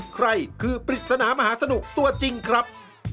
ใครคือปริศนามหาสนุกตัวจริงครับ